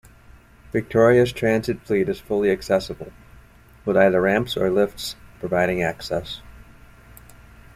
Victoria's transit fleet is fully accessible, with either ramps or lifts providing access.